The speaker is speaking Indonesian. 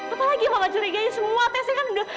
apalagi mama curigai semua tesnya kan udah